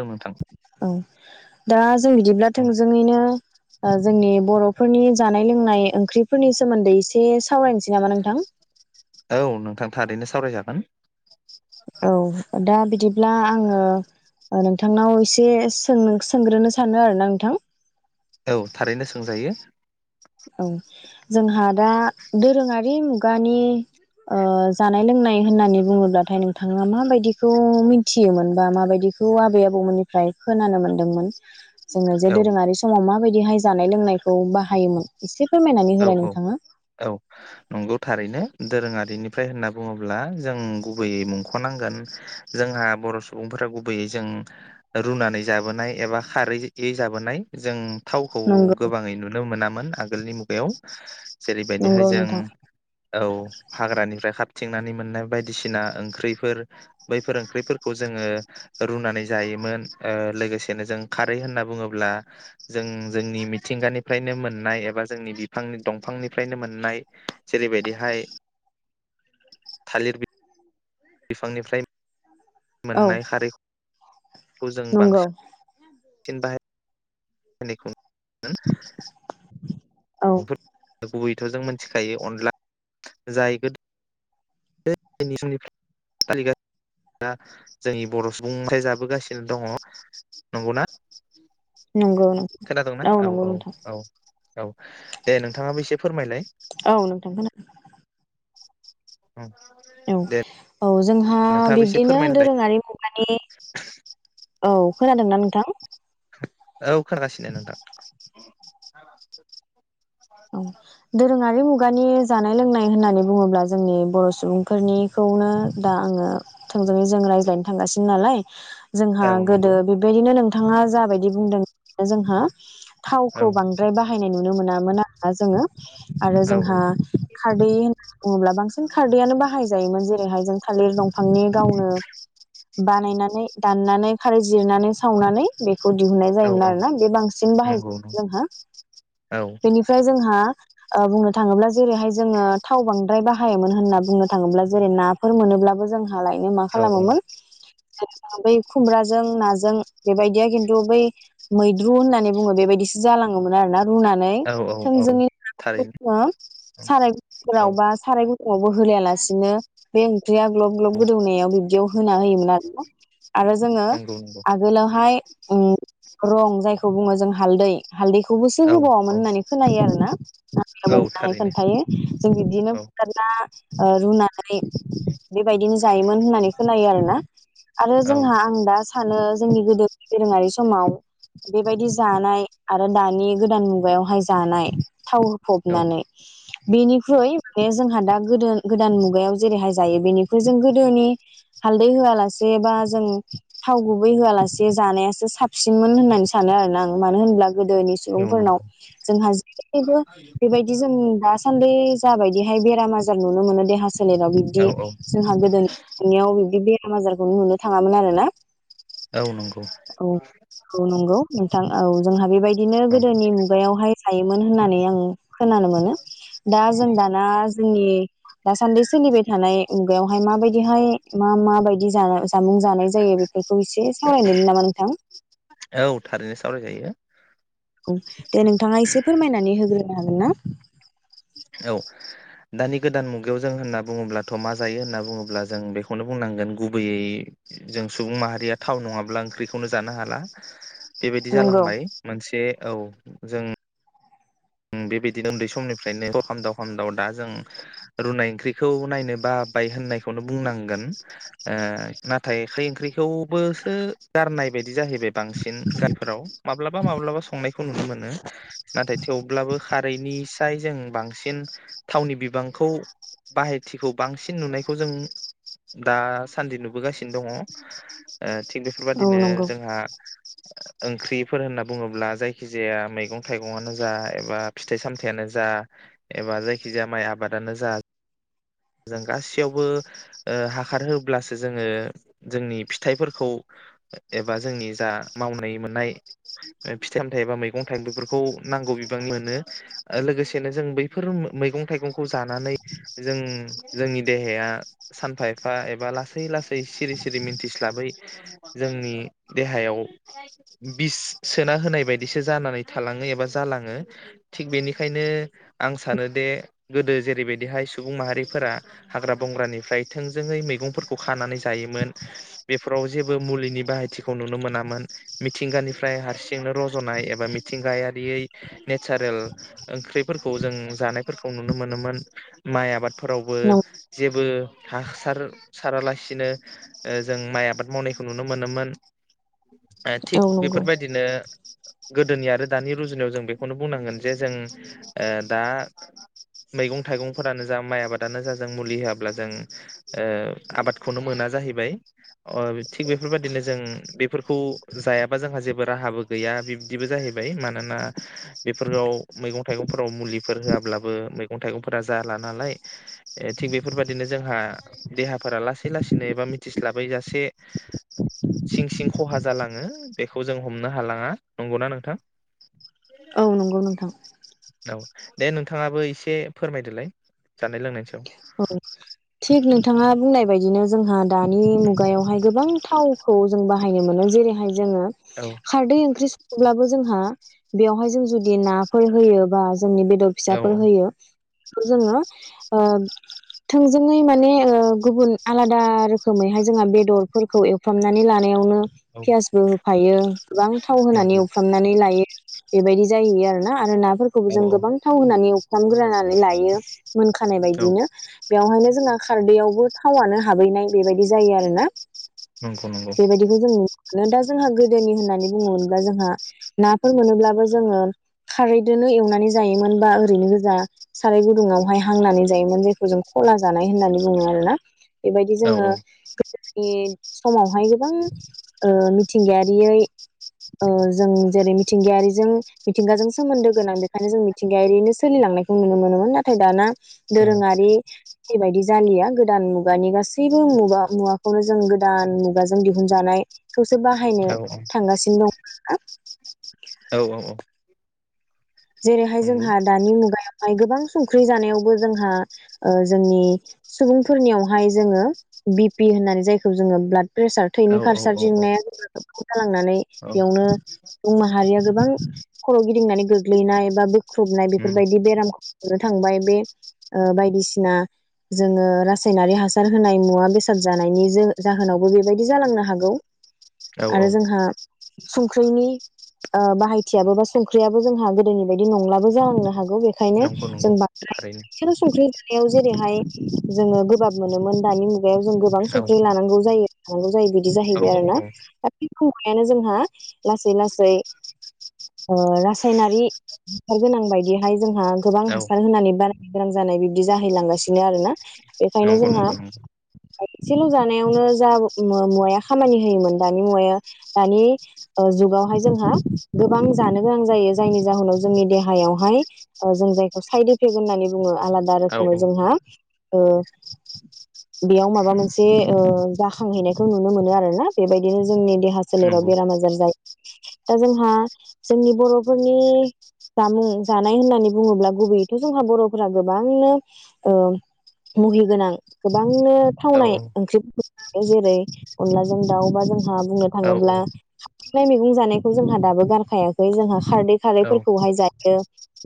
ओं नोंथां औ दा जों बिदिब्ला औ थोंजोङैनो जोंनि बर' फोरनि जानाय लोंनाय ओंख्रिफोरनि सोमोन्दै इसे सावरायनोसै नामा नोंथां? औ नोंथां थारैनो सावरायजागोन। औ दा बिदिब्ला आङो ओ नोंथांनाव इसे सों-सोंग्रोनो सानो आरो ना नोंथां। औ थारैनो सोंजायो। औ जोंहा दा दोरोङारि मुगानि ओ जानाय लोंनाय होननानै बुङोब्लाथाय नोंथाङा माबायदिखौ मिथियोमोन बा माबायदिखौ आबै आबौमोननिफ्राय खोनानो मोनदोंमोन? जोङो जे औ दोरोङारि समाव माबाय बेहाय जानाय लोंनायखौ बाहायोमोन? एसे फोरमायनानै औ होलाय औ नोंथाङा औ नंगौ थारैनो दोरोङारिनिफ्राय होनना बुङोब्ला जों गुबैयै मुंखनांगोन जोंहा बर' सुबुंफोरा गुबैयै जों रुनानै जाबोनाय एबा खारैै है जाबोनाय जों, थावखौ नंगौ गोबाङै नुनो मोनामोन आगोलनि मु बेयाव, जेरैबायदिहाय नंगौ जों नोंथां औ हाग्रानिफ्राय खा मिथिंनानै मोननाय बायदिसिना ओंख्रैफोर बैफोर ओंख्रैफोरखौ जोङो रुनानै जायोमोन, ओ लोगोसेनो जों खारै होनना बुङोब्ला जों जोंनि मिथिंगानिफ्रायनो मोननाय एबा जोंनि बिफांनि दंफांनिफ्रायनो मोननाय जेरैबायदिहाय थालिर बिफांनिफ्राय औ मोननाय खारै खौ जों नंगौ बांसिन, थिनबाय [unintelligible] औ [unintelligible] गुबै बेखो जों मिथिखायो अनला जाय गोदो [unintelligible] फालिगासिना जोंनि बर' सुबुंआ जाबोगासिनो दङ नंगौना, नंगौ औ नंगौ नोंथां औ दे नोंथाङाबो एसे फोरमायलाय, औ नोंथां खोना ओं औ दे औ जोंहा नोंथाङाबो एसे बिब्दिनो फोरमायना होलाय दोरोङारि मुगानि औ खोनादों ना नोंथां? औ खोनागासिनो नोंथां, [unintelligible] दानि मुगानि जानाय लोंनाय होननानै बुङोब्ला जोंनि बर सुबुंफोरनिखौनो दा आङो थोंजोङै जों रायज्लायनो थांगासिनो नालाय जोंहा औ गोदो नंगौ बेबायदिनो नोंथाङा जाबायदि बुंदों जोंहा औ थावखौ बांद्राय बाहायनाय नुनो मोनामोन दा जोङो आरो औ औ जोंहा खारदै होनना बुङोब्ला बांसिन खारदैआनो बाहाय जायोमोन जेरैहाय जों थालिर दंफांनि गावनो बानायनानै दाननानै खारै जिरनानै सावनानै बे खौ दिहुननाय औ जायोमोन औ आरोना बे बांसिन बाहाय नंगौ नंगौ। जोंहा औ बेनि जोंहा ओ बुंनो थाङोब्ला जेरैहाय जोङो थाव बांद्राय बाहायोमोन होनना बुंनो थाङोब्ला जेरै नाफोर मोनोब्लाबो जों हा लायनो मा औ औ खालामोमोन बै खुमब्राजों नाजों बेबायदिया खिन्थु बै मैद्रु होननानै बुङो बेबायदिसो जालाङोमोन आरोना रुनानै औ औ औ थोंजोङै [unintelligible] थारैनो जोङो औ औ सारायफोराव बा साराय गुदुंआवबो होलायालासिनो बे ओंख्रिया ग्लब ग्लब औ गोदौनायाव बिबदियाव हो होना होयोमोन आरोना आरो जोङो नंगौ नंगौ आगोलावहाय ओम रं जायखौ बुङो जों हालदै। हालदैखौबोसो औ होबावोमोन औ होननानै खोनायो आरोना आबै औ आबौमोनाहाय थारैनो खोनथायो जों बिब्दिनो औ बुथारना ओ रुना नै बेबायदिनो जायोमोन होननानै खो खोनायो आरो ना। आरो औ जोंहा आं दा सानो जे जोंनि गोदो दोरोङारि समाव बेबायदि जानाय आरो दानि गोदान मुगायावहाय जानाय थाव होफबनानै बेनिख्रुइ बे जोंहा दा गोदो गोदान मुगायाव जेरैहाय जायो बेनिख्रुइ जों गोदोनि हालदै होआलासे बा जों थाव गुबै होआलासे जानायासो साबसिनमोन होननानै सानो आरोना आं मानो होनब्ला गोदोनि औ नंगौ सुबुंफोरनाव गासैबो बेबायदि जों दासान्दै जाबायदिहाय बेराम आजार नुनो मोनो देहा सो सोलेराव औ बिब्दि जोंहा गोदोनियाव बिबदि बे बेमार आजारखौनो नुनो थाङामोन आरो ना? औ नंगौ औ औ नंगौ नोंथां औ जोंहा बेबायदिनो औ गोदोनि मुगायावहाय जायोमोन होननानै आङो खोनानो मोनो। दा जों दाना जोंनि दासान्दि सोलिबाय थानाय मुगायावहाय माबायदिहाय मा मा बायदि जा-जामुं जानाय जायो बेफोर [unintelligible] औ थारैनो सावराय जायो। औ दे नोंथाङा एसे फोरमायनानै होग्रोनो हागोन ना? औ दानि गोदान मुगायाव जों होनना बुङोब्लाथ' मा जायो होनना बुङोब्ला जों बेखौनो बुंनांगोन गुबैयै जों सुबुं माहारिया थाव नङाब्ला ओंख्रिखौनो जानो हाला। बेबायदि नंगौ जालांबाय मोनसे ओव जों उम बेबादिनो उन्दै समनिफ्रायनो सर खामदाव खामदाव दा जों रुनाय ओंख्रिखौ नायनो बाबाय होननायखौनो बुंनांगोन। ओ नाथाय खारै ओंख्रिखौबोसो गारनाय बायदि बिदि जाहैबाय बांसिन गामिफोराव माब्लाबा माब्लाबा संनायखौ नुनो मोनो। नाथाय बो खारैनिसाय जों बांसिन थावनि बिबांखौ बाहायथिखौ बांसिन नुनायखौ जों दासान्दि नुबोगासिनो दङ। ओ थिग थिग औ बेफोरबादिनो नंगौ जोंहा ओंख्रिफोर होनना बुङोब्ला जायखि जाया मैगं थाइगङानो जा एबा फिथाइ सामथायानो जा एबा जायखिजाया माइ आबादानो जा जों गासैयावबो ओ हाखार होब्लासो जोङो जोंनि फिथाइफोरखौ ए एबा जोंनि जा मावनाय मोननाय ओ फिथाइ सामथाइ एबा मैगं थाइगंफोरखौ नांगौ बिबां मोनो ओ लोगोसेनो जों बैफोर मो मैगंखौ जानानै जों जोंनि देहाया सानफा एफा एबा लासै लासै लासै सिरि सिरि मिथिस्लाबै जोंनि देहायाव बिस सोना होनाय बादिसो जानानै थालाङो एबा जालाङो थिग बेनिखायनो आं सानो दे गोदो जेरैबायदिहाय स सुबुं माहारि फोरा हाग्रा बंग्रानिफ्राय थोंजोङै मैगंफोरखौ खानानै जायोमोन। बे फोराव जेबो मुलिनि बाहायथिखौ नुनो मोनामोन। मिथिंगानिफ्राय हारसिंनो रजनाय एबा मिथिंगायारियै नेचारेल ओंख्रिफोरखौ जों जानायफोरखौ नुनो मोनोमोन। माइ आबाद फोरावबो जेबो हासार सारालासिनो ओ जों माइ आबाद मावनायखौ नुनो मोनोमोन। ओ थिग औ नंगौ बेफोरबायदिनो गोदोनि आरो दानि रुजुनायाव जों बेखौनो बुंनांगोन जे जों ओ दा मैगं थाइगंफोरानो जा, माइ आबाद आबादानो जाजों मुलि होआब्ला जों ओ आबादखौनो मोना जाहैबाय। अ थिग बेफोरबायाददिनो जों बेफोरखौ जायाबा जोंहा जेबो राहाबो गैया बिब्दिबो जाहैबाय। मानोना बेफोराव मैगं थाइगंफोराव मुलिफोर होआब्लाबो मैगं थाइगंफोरा जालानालाय। ओ थिग बेफोरबादिनो जोंहा देहाफोरा लासै लासैनो एबा मिथिस्लाबै जासे सिं सिं खहा जालाङो। बेखौ जों हमनो हालाङा नंगौना नोंथां? औ नंगौ नोंथां [inaudible] औ। दे नोंथाङाबो एसे फोरमायदोलाय जानाय लोंनायनिसायाव औ थिक नों थाङा बुंनाय बायदिनो जोंहा दानि मुगायावहाय गोबां थावखौ जों बाहाय [unintelligible] जेरैहाय जोङो औ खारदै ओंख्रि सं अब्लाबो जोंहा बेवहाय जों जुदि नाफोर होयोबा जोंनि बेदर औ औ फिसाफोर औ होयो बेखौ जोङो ओ थोंजोङै माने ओ गुबुन आलादा रोखोमैहाय जोंहा बेदरफोरखौ एवफ्रामनानै लानायावनो औ पियासबो होफायो गोबां थाव होनानै नंगौ एवफ्रामनानै लायो। बेबायदि जायैयो आरो ना आरो ना फोरखौबो औ जों औ गोबां थाव होनानै एव फ्रामग्रोनानै लायो। मोनखानाय औ बायदिनो। बेवहायनो जोंहा खारदैयावबो थावआनो हाबहैनाय बेबायदि जायो आरोना। नंगौ नंगौ बेबायदिखौ जों नु दा जोंहा गो गोदोनि होननानै बुङोमोनब्ला जोंहा नाफोर मोनोब्लाबो जोङो खारैदोनो एवनानै जायोमोन बा ओरैनो गोजा साराय गुदुावहाय हांनानै जायोमोन जों खला जानाय होननानै बुङो आरोना बेबायदि औ जोङो दोनि समावहाय गोबां ओ मिथिंगायारियै ओ जों जेरै मिथिंगायारिजों मिथिंगाजों सोमोन्दो गोनां बेखायनो जों मिथिंगायारिनो सोलिलांनायखौ नुनो मोनोमोन नाथाय दाना औ। बेैबायदि जालिया गोदान मुगानि गासैबो मुगा मुवाखौनो जों गोदान मुगाजों दिहुनजानाय खौसो बाहायनो थांगासिनो दं। आ औ औ औ। जेरैहाय नंगौ जोंहा दानि मुगायाव गोबां संख्रि जानायावबो जोंहा ओ जोंनि सुबुंफोरनियावहाय जोङो बिपि होननानै जायखौ जोङो ब्लाद प्रेसार औ थैनि औ औ खारसारदिंनाया [inaudible] जालांनानै बेयावनो सुबुं माहारिया गोबां खर गिदिंनानै गो लिनाय एबा बु ख्रुबनाय उम औ बेफोरबायदि बेरामखौ थांबाय बे ओ बायदिसिना जोङो रासायनारि हासार होनाय मुवा बेसाद जानायनि जो-जाहोनावबो बेबायदि जालांनो हागौ। औ आरो औ। जोंहा संख्रिनि ओ बाहायथियाबो बा संख्रियाबो जोंहा जोंनि बायदि नंलाबो जालांनो हागौ। ओंखायनो नंगौ नंगौ थारैनो जों [inaudible] संख्रि। [unintelligible] जेरैहाय जोङो गोबाब मोनोमोन दानि मुग गायाव जों गोबां औ संख्रि लानांगौ जायो। [inaudible] जायो बिदि औ जाहैबाय आरो ना औ [inaudible] हायानो जोंहा लासै लासै ओ रासायनारि [unintelligible] गोनां बायदिहाय जोंहा गोबां औ हासार होनानै बार ग्रां जानाय बिदि जाहैलांगासिनो आरो ना बेखायनो नंगौ जोंहा नंगौ नंगौ एसेल' जानायावनो जा मु-मुवाया खामानि होयोमोन दानि मुवाया दानि ओ जुगावहाय जोंहा गोबां जानो गोनां जायो जायनि जाहोनाव जोंनि देहायावहाय ओ जों जायखौ साइद इफेक्ट होननानै बुङो आलादा दा औ रोखोमै औ जोंहा ओ बेयाव माबा मोनसे ओ जाखांहैनायखौ नुनो मोनो आरोना बेबायदिनो जोंनि देहा सोलेराव नंगौ बेराम आजार जायो। दा जोंहा जोंनि बर'फोरनि जामुं जानाय होन्नानै बुङोब्ला गुबैयैथ जोंहा बर'फोरा गोबांनो ओ मुहिगोनां गोबांनो औ थावनाय ओंख्रिफोरखौ जाखायो। जेरै अनलाजों दाउ बा जों जोंहा‌ बुंनो औ थाङोब्ला [unintelligible] मैगं जानायखौ जोंहा दाबो गारखायाखै जोंहा खारदै औ खारैफोर जायो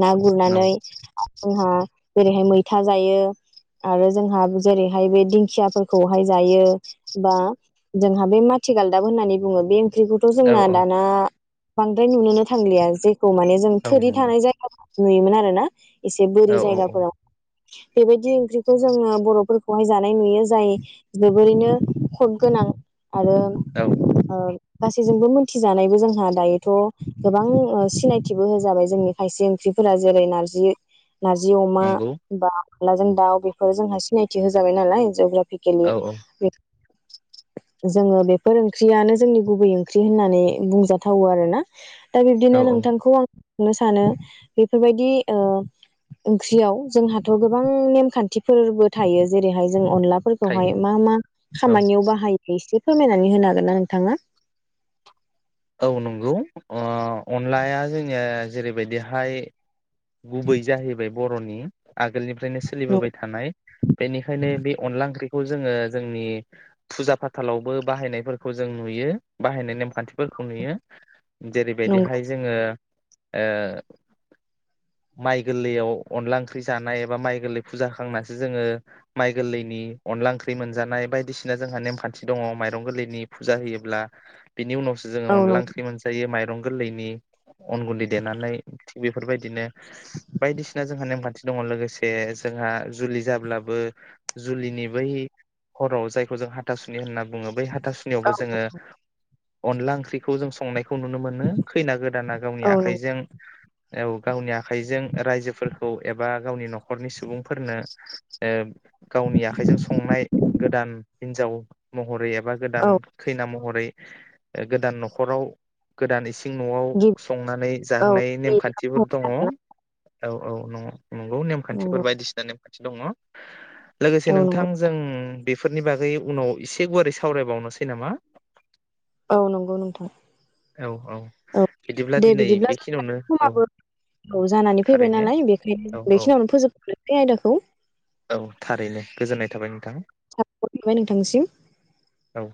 ना नौ गुरनानै जोंहा जेरैहाय मैथा जायो आरो जोंहा जेरैहाय बे दिंखियाफोरखौहाय जायो बा जोंहा बे माथिगालदाब होन्नानै बुङो बे ओंख्रिखौथ औ जोंना औ दाना बांद्राय नुनोनो थांलिया जेखौ माने जों औ थोरि नंगौ थानाय जायगाया नुयोमोन आरोना एसे बोरि औ औ जायगाफोराव बेबायदि ओंख्रिखौ जोङो बर'फोरखौहाय जानाय नुयो जाय जोबोरैनो खद गोनां आरो औ। ओ गासैजोंबो मोन्थिजानायबो जोंहा दायोथ‌ गोबां सिनाय थिबो होजाबाय जोंनि खायसे ओंख्रिफोरा जेरै नार्जि नार्जि अमा नंगौ बा अनलाजों दाउ बेफोर जोंहा सिनायथि होजाबाय नालाय [unintelligible] बेखिनि औ बे जोङो बेफोर ओंख्रियानो जोंनि गुबै ओंख्रि होन्नानै बुंजाथावो आरोना दा औ बिबदिनो औ नों [unintelligible] मा सानो बेफोरबायदि ओ ओंख्रियाव जोंहाथ गोबां नेमखान्थिफोरबो थायो जेरैहाय जों अनला फोरखौहाय थायो मा मा औ खामानियाव बाहायो इसे फोरमायनानै होनो हागोन ना नोंथाङा? औ नंगौ अ। अनलाया जोङो जेरै बायदिहाय गुबै जाहैबाय बर'नि आगोलनिफ्रायनो सोलिबोबाय थानाय बेनिखायनो बे अनला ओंख्रि खौ जोङो जोंनि फुजा फाथालावबो बाहायनायफोरखौ जों नुयो बाहायनाय नेमखान्थि फोरखौ नुयो। जेरै नंगौ बायदिहाय जोङो ओ माइ गोरलैयाव अनला ओंख्रि जानाय एबा माइ गोरलै फुजा होखांनासो जोङो माइ गोरलैनि अनला ओंख्रि मोनजानाय बायदिसिना जोंहा नेमखान्थि दङ। माइरं गोरलैनि फुजा होयोब्ला बिनि उनाव जोङो औ अनला नंगौ ओंख्रि मोनजायो माइरं गोरलैनि अन गुन्दै देनानै थिग बेफोर बायदिनो बायदिसिना जोंहा नेमखान्थि दङ। लोगोसे जोंहा जुलि जाब्लाबो जुलिनि बै हराव जायखौ जों हाथासुनि होनना बुङो बै हा औ थासुनियावबो जोङो अनला ओंख्रिखौ जों संनायखौ नुनो मोनो खैना गोद दाना गावनि औ नंगौ आखाइजों औ गावनि आखाइजों रायजोफोरखौ एबा गावनि नखरनि सुबुंफोरनो ओ गावनि आखाइजों संनाय गोदान हिनजाव महरै एब बा गोदान औ खैना म महरै गोदान नखराव गोदान इसे इसिं न'आव गिबि संनानै औ जाहोनाय नेमखान्थिफोर दङ। औ औ नंङ। नंगौ नेमखान्थिफोर नंगौ बायदिसिना नेम खाथि दङ। लोगोसे औ नंगौ नोंथांजों बेफोरनि बागै उनाव एसे गुवारै सावरायबावनोसै नामा? औ नंगौ नोंथां। औ बिदिब्ला दे दिनै बिदिब्ला जों बेखिनियावनो औ समाबो औ जानानै फैबाय थारैनो नालाय बेखायनो औ औ बेखिनियावनो फोजोबनो बे आइदाखौ औ थारैनो गोजोननाय थाबाय नोंथां साबायखर थाबाय नोंथांनिसिम। औ।